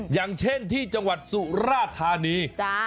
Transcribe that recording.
อย่างเช่นที่จังหวัดสุราธานี